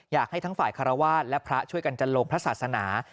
อยากให้ทั้งฝ่ายคารวาสและพระช่วยกันจันโลงพระศาสนา